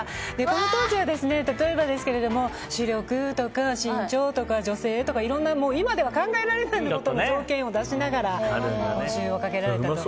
この当時は例えば視力とか身長とか女性とかいろんな今では考えられない条件を出しながら募集をかけられたと。